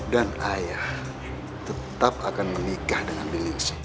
dan ayah tetap akan menikah dengan bindingsi